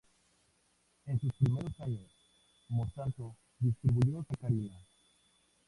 En sus primeros años, Monsanto distribuyó sacarina.